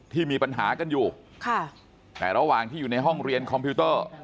ที่มีปัญหากันอยู่ค่ะแต่ระหว่างที่อยู่ในห้องเรียนคอมพิวเตอร์